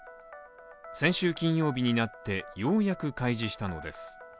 先週金曜日になって、ようやく開示したのです。